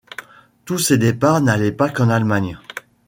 Tous ces départs n'allaient pas qu'en Allemagne.